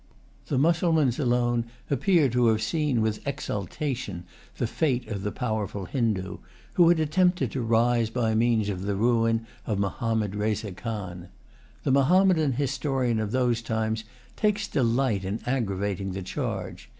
The Mussulmans alone appear to have seen with exultation the fate of the powerful Hindoo, who had attempted to rise by means of the ruin of Mahommed Reza Khan. The Mahommedan historian of those times takes delight in aggravating the charge.